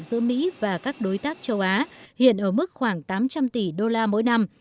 giữa mỹ và các đối tác châu á hiện ở mức khoảng tám trăm linh tỷ đô la mỗi năm